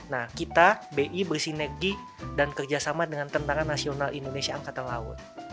nah kita bi bersinergi dan kerjasama dengan tentara nasional indonesia angkatan laut